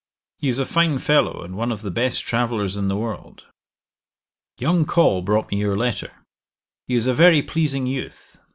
He is a fine fellow, and one of the best travellers in the world. 'Young Col brought me your letter. He is a very pleasing youth.